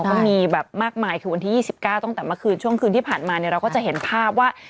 ก็มีแบบมากมายคือวันที่๒๙ตั้งแต่เมื่อคืนช่วงคืนที่ผ่านมาเนี่ยเราก็จะเห็นภาพว่า